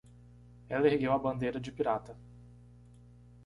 Ela ergueu a bandeira de pirata.